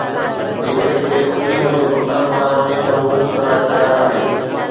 جيڪڏهن کيس ٽيم جو ڪپتان بڻايو وڃي ته هو ان لاءِ تيار آهي